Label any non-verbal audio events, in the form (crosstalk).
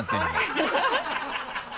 ハハハ (laughs)